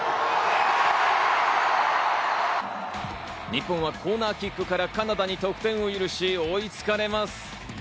日本はコーナーキックからカナダに得点を許し、追いつかれます。